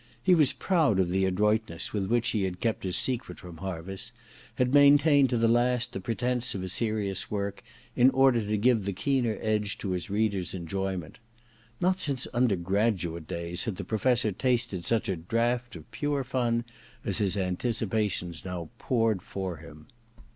He was proud of the adroitness with which he had kept his secret from Harviss, had maintained to the last the pretence of a serious work, in order to give the keener edge to his reader's enjoyment. Not since undergraduate days had the Professor tasted such a draught of pure fun as his anticipations now poured for him.